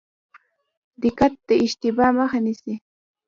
دقت د اشتباه مخه نیسي